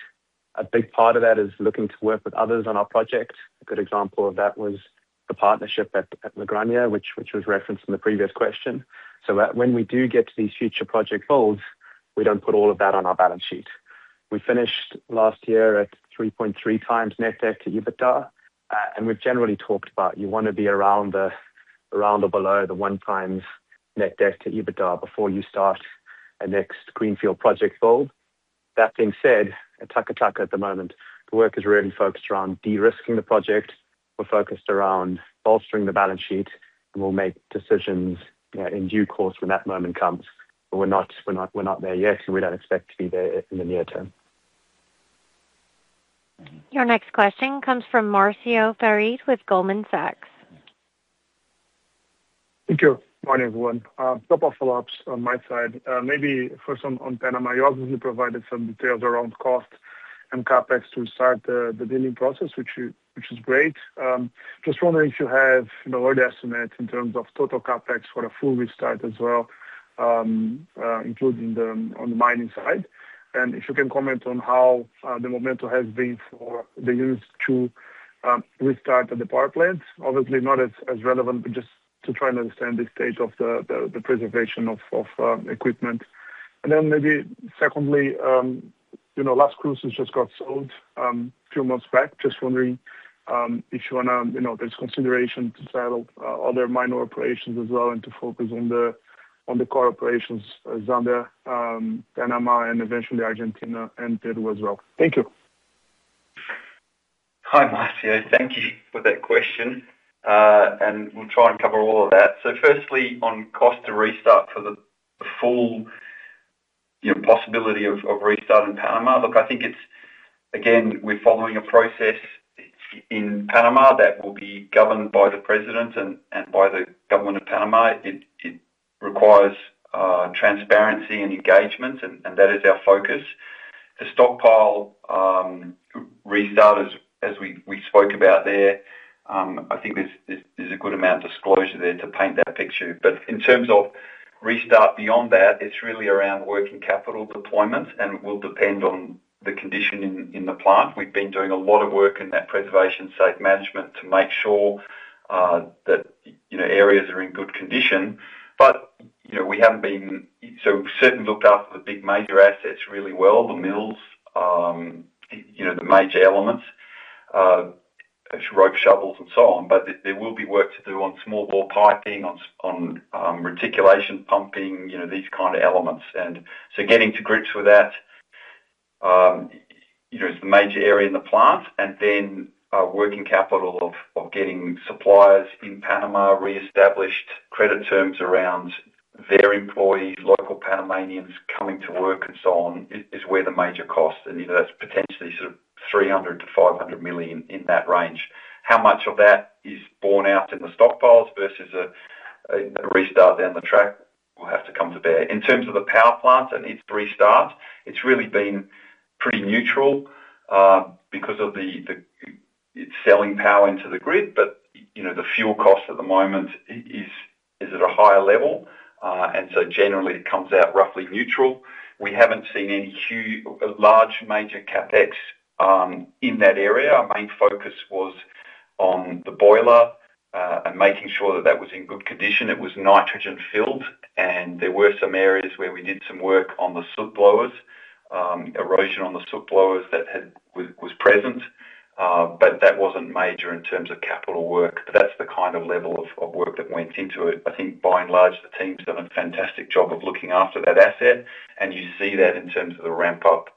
A big part of that is looking to work with others on our project. A good example of that was the partnership at La Granja, which was referenced in the previous question. So that when we do get to these future project goals, we don't put all of that on our balance sheet. We finished last year at 3.3 times net debt to EBITDA, and we've generally talked about you wanna be around or below the 1 times net debt to EBITDA before you start a next greenfield project build. That being said, at Taca Taca at the moment, the work is really focused around de-risking the project. We're focused around bolstering the balance sheet, and we'll make decisions in due course when that moment comes. But we're not, we're not, we're not there yet, and we don't expect to be there in the near term. Your next question comes from Marcio Farid with Goldman Sachs. Thank you. Morning, everyone. Couple follow-ups on my side. Maybe first on Panama, you obviously provided some details around cost and CapEx to start the billing process, which is great. Just wondering if you have an order estimate in terms of total CapEx for a full restart as well, including on the mining side? And if you can comment on how the momentum has been for the years to restart the power plant. Obviously not as relevant, but just to try and understand the stage of the preservation of equipment. And then maybe secondly, Las Cruces just got sold a few months back. Just wondering, if you wanna, there's consideration to sell other minor operations as well and to focus on the core operations, Zambia, Panama, and eventually Argentina and Peru as well. Thank you. Hi, Marcio. Thank you for that question. And we'll try and cover all of that. So firstly, on cost to restart for the full, possibility of restarting Panama. Look, I think it's, again, we're following a process in Panama that will be governed by the president and by the government of Panama. It requires transparency and engagement, and that is our focus. The stockpile restart, as we spoke about there, I think there's a good amount of disclosure there to paint that picture. But in terms of restart beyond that, it's really around working capital deployment and will depend on the condition in the plant. We've been doing a lot of work in that preservation and safe management to make sure that, areas are in good condition. But, we haven't been, so we've certainly looked after the big major assets really well, the mills, the major elements, rope shovels and so on. But there will be work to do on small bore piping, on reticulation, pumping, these kind of elements. And so getting to grips with that, is the major area in the plant. And then, working capital of getting suppliers in Panama, reestablished credit terms around their employees, local Panamanians coming to work and so on, is where the major cost, and, that's potentially sort of $300 million-$500 million in that range. How much of that is borne out in the stockpiles versus a restart down the track will have to come to bear. In terms of the power plant that needs to restart, it's really been pretty neutral, because it's selling power into the grid, but, the fuel cost at the moment is at a higher level. And so generally it comes out roughly neutral. We haven't seen any large major CapEx in that area. Our main focus was on the boiler and making sure that that was in good condition. It was nitrogen-filled, and there were some areas where we did some work on the soot blowers. Erosion on the soot blowers that was present, but that wasn't major in terms of capital work. But that's the kind of level of work that went into it. I think by and large, the team's done a fantastic job of looking after that asset, and you see that in terms of the ramp-up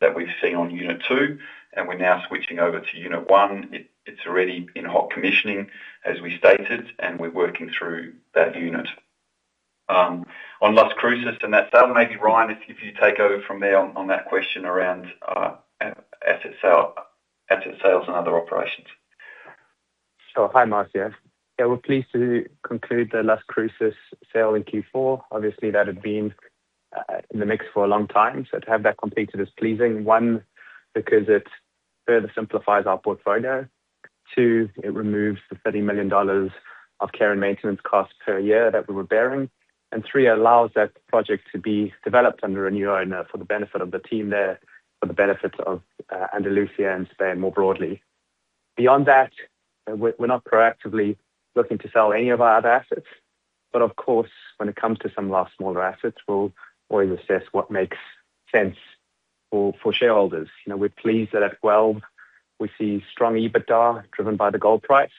that we've seen on unit two, and we're now switching over to unit one. It, it's already in hot commissioning, as we stated, and we're working through that unit. On Las Cruces and that sale, maybe, Ryan, if you take over from there on that question around asset sale, asset sales and other operations. Sure. Hi, Marcio. Yeah, we're pleased to conclude the Las Cruces sale in Q4. Obviously, that had been in the mix for a long time, so to have that completed is pleasing. One, because it further simplifies our portfolio. Two, it removes the $30 million of care and maintenance costs per year that we were bearing. And three, allows that project to be developed under a new owner for the benefit of the team there, for the benefit of Andalusia and Spain more broadly. Beyond that, we're not proactively looking to sell any of our other assets, but of course, when it comes to some of our smaller assets, we'll always assess what makes sense for shareholders. we're pleased that at Guelb we see strong EBITDA driven by the gold price,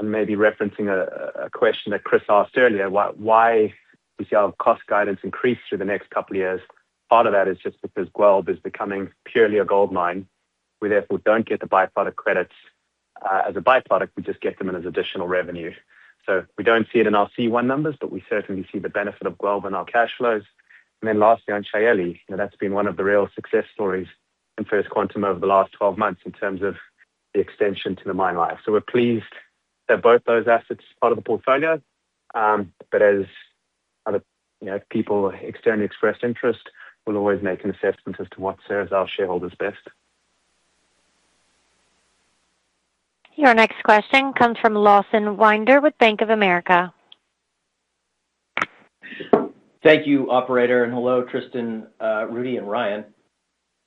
and maybe referencing a question that Chris asked earlier, why we see our cost guidance increase through the next couple of years? Part of that is just because Guelb is becoming purely a gold mine. We therefore don't get the byproduct credits, as a byproduct, we just get them in as additional revenue. So we don't see it in our C1 numbers, but we certainly see the benefit of Guelb in our cash flows. And then lastly, on Çayeli, that's been one of the real success stories in First Quantum over the last 12 months in terms of the extension to the mine life. So we're pleased that both those assets are part of the portfolio, but as other, people externally expressed interest, we'll always make an assessment as to what serves our shareholders best. Your next question comes from Lawson Winder with Bank of America. Thank you, operator, and hello, Tristan, Rudy, and Ryan.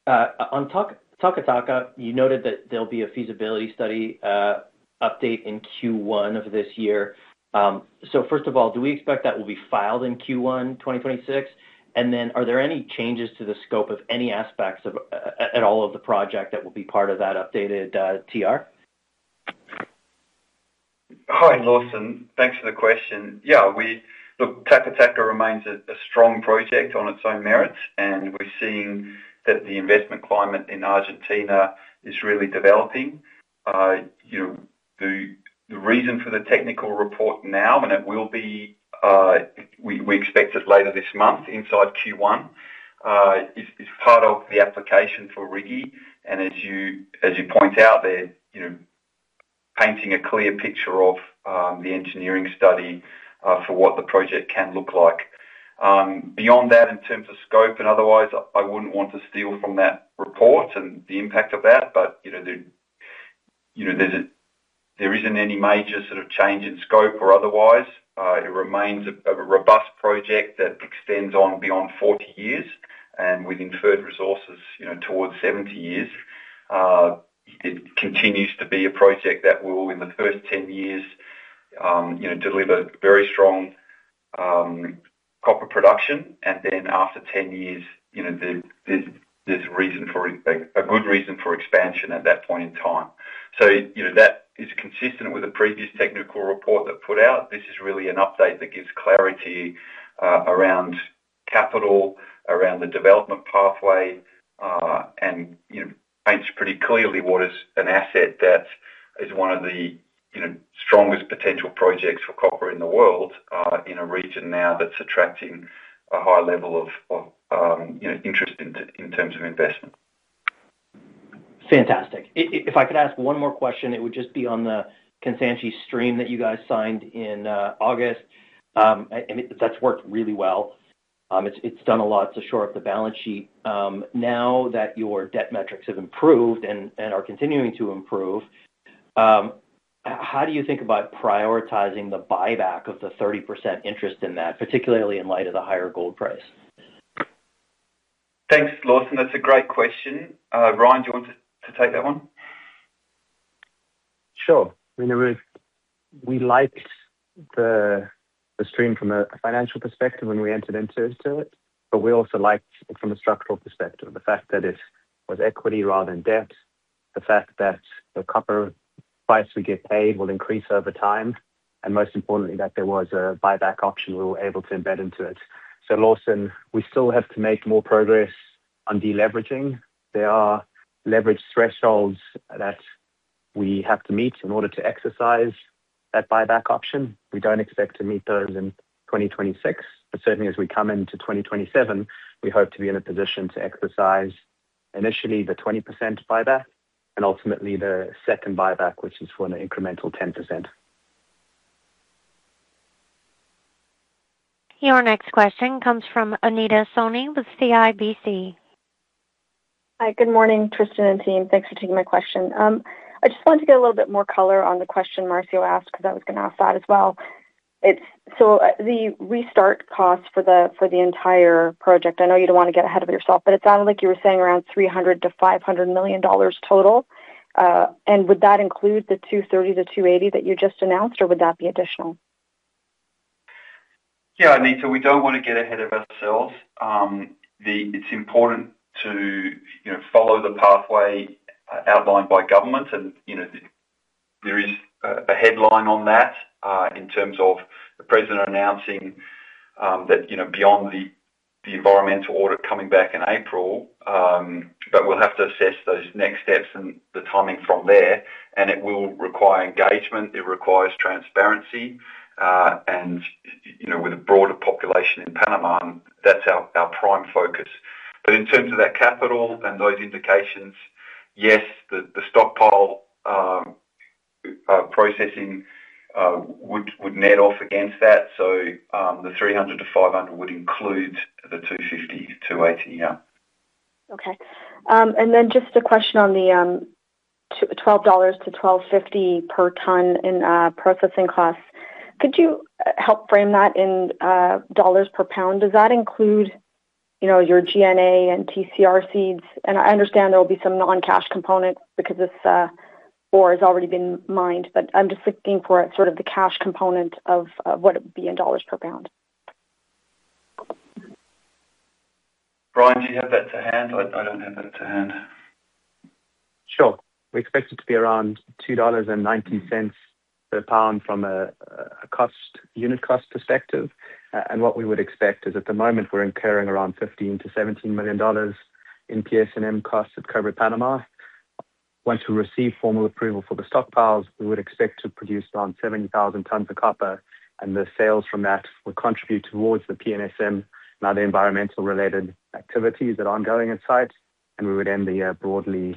On Taca Taca, you noted that there'll be a feasibility study update in Q1 of this year. So first of all, do we expect that will be filed in Q1 2026? And then are there any changes to the scope of any aspects of the project at all that will be part of that updated TR? Hi, Lawson. Thanks for the question. Yeah, we Look, Taca Taca remains a strong project on its own merits, and we're seeing that the investment climate in Argentina is really developing. the reason for the technical report now, and it will be, we expect it later this month, inside Q1, is part of the application for RIGI. And as you point out there, painting a clear picture of the engineering study for what the project can look like. Beyond that, in terms of scope and otherwise, I wouldn't want to steal from that report and the impact of that, but there's a there isn't any major sort of change in scope or otherwise. It remains a robust project that extends on beyond 40 years and with inferred resources, towards 70 years. It continues to be a project that will, in the first 10 years, deliver very strong copper production, and then after 10 years, a good reason for expansion at that point in time. So, that is consistent with the previous technical report that put out. This is really an update that gives clarity around capital, around the development pathway, and, paints pretty clearly what is an asset that is one of the, strongest potential projects for copper in the world, in a region now that's attracting a high level of, interest in terms of investment. Fantastic. If I could ask one more question, it would just be on the Kansanshi stream that you guys signed in August. And it, that's worked really well. It's done a lot to shore up the balance sheet. Now that your debt metrics have improved and are continuing to improve, how do you think about prioritizing the buyback of the 30% interest in that, particularly in light of the higher gold price? Thanks, Lawson. That's a great question. Ryan, do you want to take that one? Sure. I mean, we liked the stream from a financial perspective when we entered into it, but we also liked it from a structural perspective. The fact that it was equity rather than debt, the fact that the copper price we get paid will increase over time, and most importantly, that there was a buyback option we were able to embed into it. So Lawson, we still have to make more progress on deleveraging. There are leverage thresholds that we have to meet in order to exercise that buyback option. We don't expect to meet those in 2026, but certainly as we come into 2027, we hope to be in a position to exercise—initially the 20% buyback and ultimately the second buyback, which is for an incremental 10%. Your next question comes from Anita Soni with CIBC. Hi, good morning, Tristan and team. Thanks for taking my question. I just wanted to get a little bit more color on the question Marcio asked, because I was going to ask that as well. It's so the restart cost for the entire project, I know you don't want to get ahead of yourself, but it sounded like you were saying around $300 million-$500 million total. And would that include the $230-$280 that you just announced, or would that be additional? Yeah, Anita, we don't want to get ahead of ourselves. It's important to, follow the pathway outlined by government. And, there is a headline on that, in terms of the president announcing that, beyond the environmental order coming back in April, but we'll have to assess those next steps and the timing from there, and it will require engagement, it requires transparency, and, with a broader population in Panama, that's our prime focus. But in terms of that capital and those indications, yes, the stockpile processing would net off against that. So, the $300-$500 would include the $250, $280, yeah. Okay. And then just a question on the $12-$12.50 per ton in processing costs. Could you help frame that in dollars per pound? Does that include, your G&A and TCR seeds? And I understand there will be some non-cash components because this ore has already been mined, but I'm just looking for sort of the cash component of what it would be in dollars per pound. Ryan, do you have that to hand? I, I don't have that at hand. Sure. We expect it to be around $2.90 per pound from a cost unit cost perspective. And what we would expect is, at the moment, we're incurring around $15 million-$17 million in PSM costs at Cobre Panamá. Once we receive formal approval for the stockpiles, we would expect to produce around 70,000 tons of copper, and the sales from that would contribute towards the PSM and other environmental-related activities that are ongoing on site, and we would end the year broadly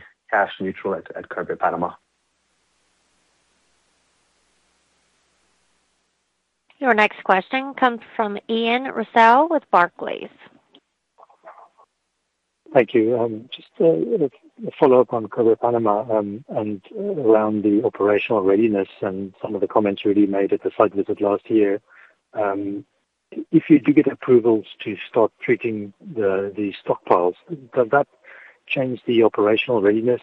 cash neutral at Cobre Panamá. Your next question comes from Ian Rossouw with Barclays. Thank you. Just a follow-up on Cobre Panamá, and around the operational readiness and some of the comments you already made at the site visit last year. If you do get approvals to start treating the stockpiles, does that change the operational readiness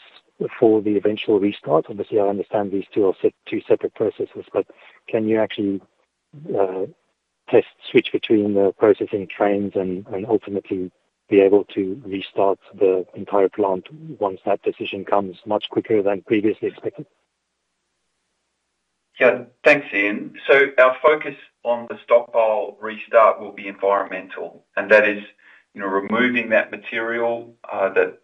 for the eventual restart? Obviously, I understand these 2 are 2 separate processes, but can you actually test switch between the processing trains and ultimately be able to restart the entire plant once that decision comes much quicker than previously expected? Yeah. Thanks, Ian. So our focus on the stockpile restart will be environmental, and that is, removing that material, that,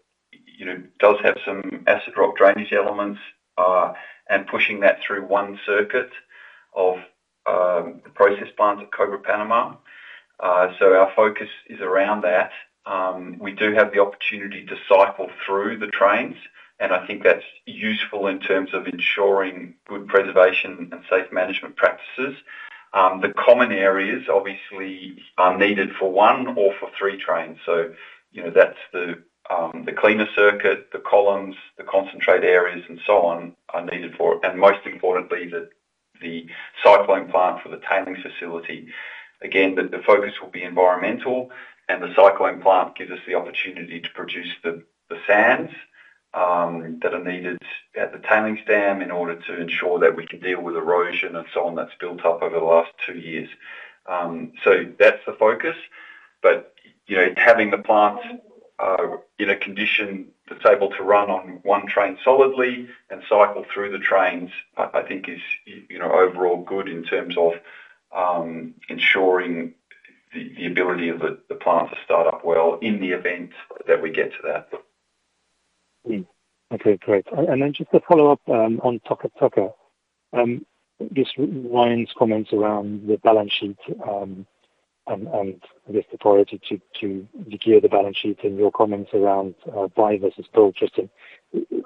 does have some acid rock drainage elements, and pushing that through one circuit of the process plants at Cobre Panamá. So our focus is around that. We do have the opportunity to cycle through the trains, and I think that's useful in terms of ensuring good preservation and safe management practices. The common areas obviously are needed for one or for three trains, so, that's the cleaner circuit, the columns, the concentrate areas, and so on, are needed for it. And most importantly, the cyclone plant for the tailings facility. Again, the focus will be environmental, and the cyclone plant gives us the opportunity to produce the sands that are needed at the tailings dam in order to ensure that we can deal with erosion and so on, that's built up over the last two years. So that's the focus. But having the plant in a condition that's able to run on one train solidly and cycle through the trains, I think is overall good in terms of ensuring the ability of the plant to start up well in the event that we get to that. Okay, great. And then just to follow up, on Taca Taca, just Ryan's comments around the balance sheet, and, and I guess the priority to, to degear the balance sheet and your comments around, buy versus build. Tristan,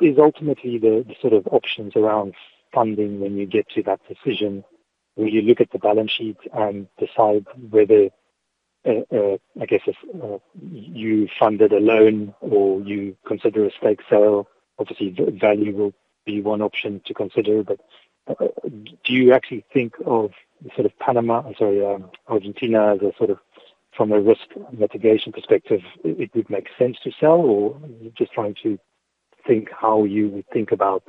is ultimately the, the sort of options around funding when you get to that decision, will you look at the balance sheet and decide whether, I guess if, you funded a loan or you consider a stake sale, obviously, the value will be one option to consider. But, do you actually think of sort of Panama, I'm sorry, Argentina as a sort of from a risk mitigation perspective, it would make sense to sell? Or just trying to think how you would think about,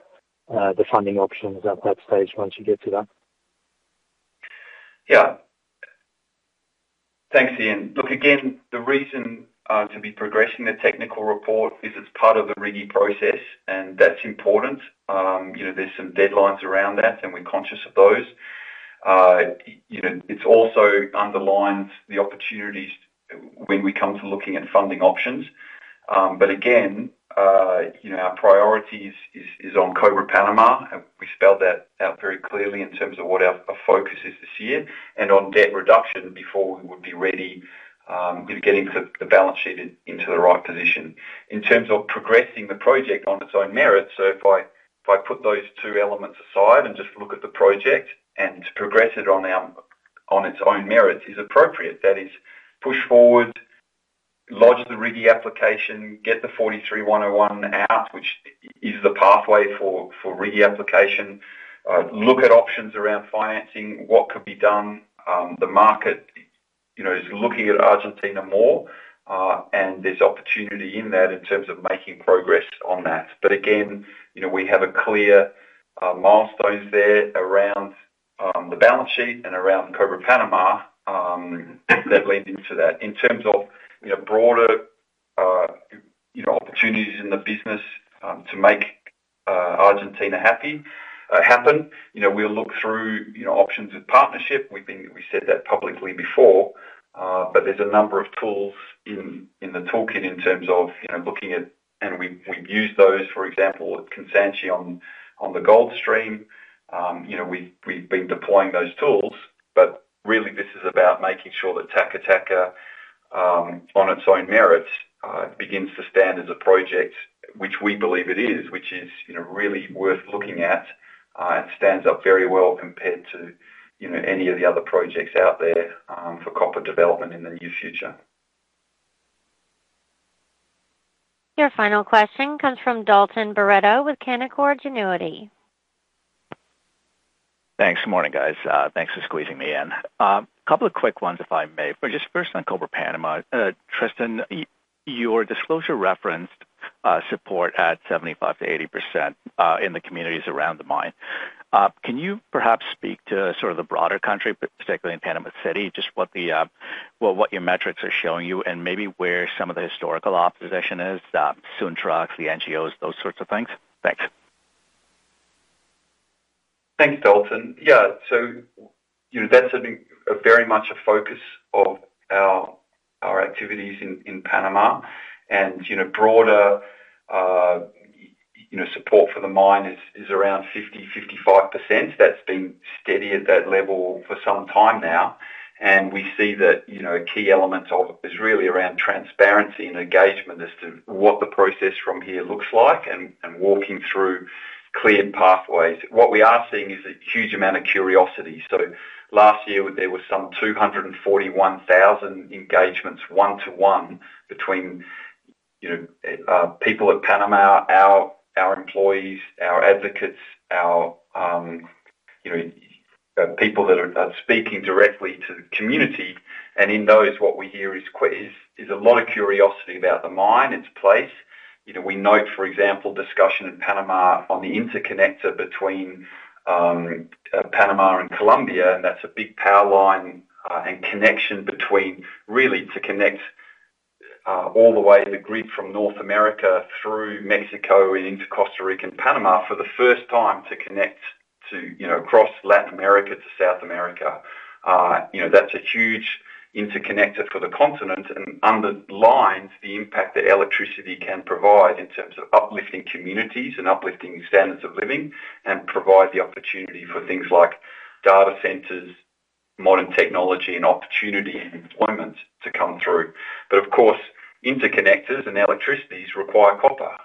the funding options at that stage once you get to that. Yeah. Thanks, Ian. Look, again, the reason to be progressing the technical report is it's part of the RIGI process, and that's important. there's some deadlines around that, and we're conscious of those. it's also underlined the opportunities when we come to looking at funding options. But again, our priorities is on Cobre Panamá, and we spelled that out very clearly in terms of what our focus is this year and on debt reduction before we would be ready getting the balance sheet into the right position. In terms of progressing the project on its own merits, so if I put those two elements aside and just look at the project and progress it on our, on its own merits, is appropriate. That is, push forward, lodge the RIGI application, get the 43-101 out, which is the pathway for, for RIGI application, look at options around financing, what could be done. The market, is looking at Argentina more, and there's opportunity in that in terms of making progress on that. But again, we have a clear, milestones there around, the balance sheet and around Cobre Panamá, that lead into that. In terms of, broader, opportunities in the business, to make, Argentina happy, happen, we'll look through, options with partnership. We've been-- we said that publicly before, but there's a number of tools in, in the toolkit in terms of, looking at... And we've used those, for example, at Kansanshi on the gold stream. we've been deploying those tools, but really this is about making sure that Taca Taca, on its own merits, begins to stand as a project, which we believe it is, which is, really worth looking at, and stands up very well compared to, any of the other projects out there, for copper development in the near future. Your final question comes from Dalton Baretto with Canaccord Genuity. Thanks. Morning, guys. Thanks for squeezing me in. A couple of quick ones, if I may. Just first on Cobre Panamá, Tristan, your disclosure referenced support at 75%-80% in the communities around the mine. Can you perhaps speak to sort of the broader country, particularly in Panama City, just what the, well, what your metrics are showing you and maybe where some of the historical opposition is, soon trucks, the NGOs, those sorts of things? Thanks. Thanks, Dalton. Yeah, so, that's very much a focus of our activities in Panama. And, broader, support for the mine is around 55%. That's been steady at that level for some time now. And we see that, key elements of it is really around transparency and engagement as to what the process from here looks like and walking through cleared pathways. What we are seeing is a huge amount of curiosity. So last year, there were some 241,000 engagements, one to one, between, people at Panama, our employees, our advocates, our, people that are speaking directly to the community. And in those, what we hear is a lot of curiosity about the mine, its place. we note, for example, discussion in Panama on the interconnector between Panama and Colombia, and that's a big power line and connection between really to connect all the way the grid from North America through Mexico and into Costa Rica and Panama for the first time to connect to, across Latin America to South America. that's a huge interconnector for the continent, and underlines the impact that electricity can provide in terms of uplifting communities and uplifting standards of living, and provide the opportunity for things like data centers, modern technology, and opportunity, and employment to come through. But of course, interconnectors and electricities require copper.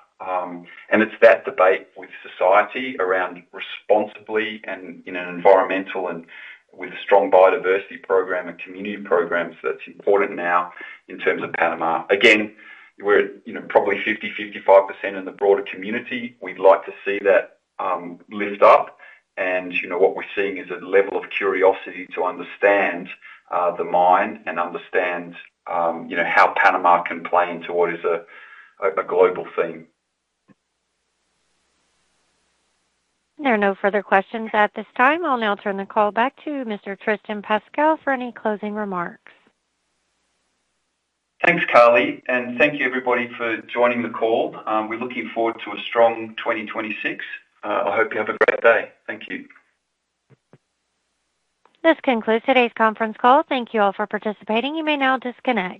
And it's that debate with society around responsibly and in an environmental and with a strong biodiversity program and community programs that's important now in terms of Panama. Again, we're at, probably 50-55% in the broader community. We'd like to see that lift up. And, what we're seeing is a level of curiosity to understand the mine and understand, how Panama can play into what is a global theme. There are no further questions at this time. I'll now turn the call back to Mr. Tristan Pascall for any closing remarks. Thanks, Carly, and thank you everybody for joining the call. We're looking forward to a strong 2026. I hope you have a great day. Thank you. This concludes today's conference call. Thank you all for participating. You may now disconnect.